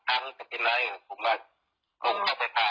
ตรงนั้นน้องก็เสียไปแล้วตรงนั้นน้องก็เสียไปแล้ว